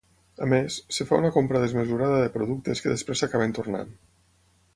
A més, es fa una compra desmesurada de productes que després s'acaben tornant.